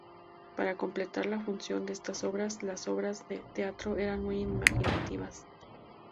Para complementar la función de estas obras, las obras de teatro eran muy imaginativas.